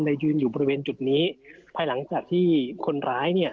ยืนอยู่บริเวณจุดนี้ภายหลังจากที่คนร้ายเนี่ย